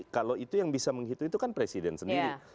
kalau itu yang bisa menghitung itu kan presiden sendiri